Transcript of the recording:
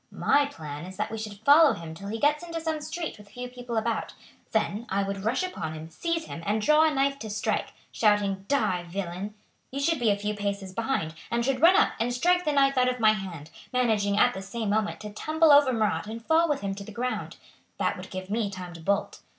"My plan is that we should follow him till he gets into some street with few people about. Then I would rush upon him, seize him, and draw a knife to strike, shouting, 'Die, villain!' You should be a few paces behind, and should run up and strike the knife out of my hand, managing at the same moment to tumble over Marat and fall with him to the ground. That would give me time to bolt.